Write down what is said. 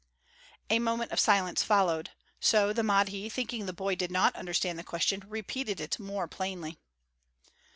A moment of silence followed; so the Mahdi, thinking the boy did not understand the question, repeated it more plainly.